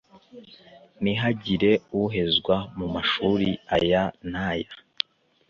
ntihagire uhezwa mu mashuri aya n’aya.